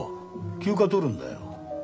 休暇取るんだよ。